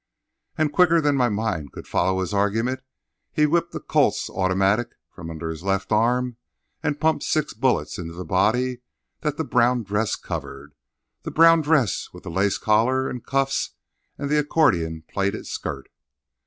And, quicker than my mind could follow his argument, he whipped a Colt's automatic from under his left arm and pumped six bullets into the body that the brown dress covered—the brown dress with the lace collar and cuffs and the accordion plaited skirt.